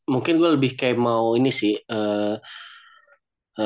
mungkin gue lebih mau kayak ini sih